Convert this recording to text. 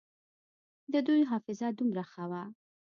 د دوى حافظه دومره ښه وه.